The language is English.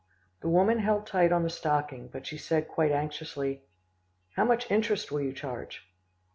"The woman held tight on the stocking, but she said quite anxiously, 'How much interest will you charge?